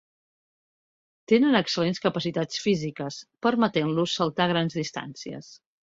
Tenen excel·lents capacitats físiques, permetent-los saltar grans distàncies.